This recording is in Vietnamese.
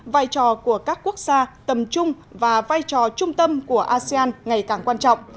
vai trò của các quốc gia tầm trung và vai trò trung tâm của asean ngày càng quan trọng